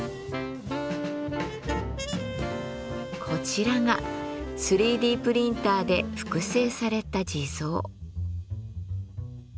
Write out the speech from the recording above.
こちらが３Ｄプリンターで複製された地蔵。